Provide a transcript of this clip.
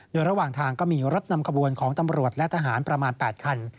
โดยระหว่างทางก็มีรถนำขบวนของตำรวจและทหารประมาณ๘คัน